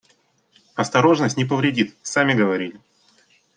Осторожность не повредит, сами говорили.